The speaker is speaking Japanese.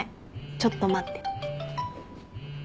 ちょっと待って。